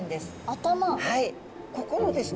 ここのですね